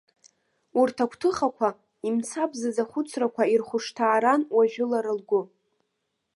Урҭ агәҭыхақәа, имцабзыз ахәыцрақәа ирхәышҭааран уажәы лара лгәы.